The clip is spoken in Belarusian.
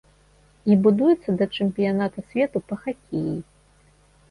І будуецца да чэмпіяната свету па хакеі.